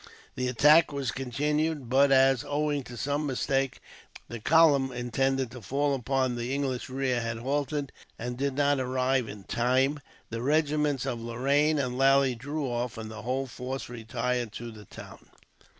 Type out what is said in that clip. The attack was continued, but as, owing to some mistake, the column intended to fall upon the English rear had halted, and did not arrive in time, the regiments of Lorraine and Lally drew off, and the whole force retired to the town.